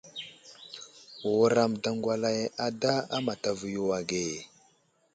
Wuram daŋgwalay ada a matavo yo age.